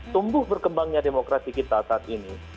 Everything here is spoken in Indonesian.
tumbuh berkembangnya demokrasi kita saat ini